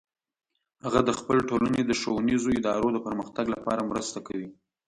هغه د خپل ټولنې د ښوونیزو ادارو د پرمختګ لپاره مرسته کوي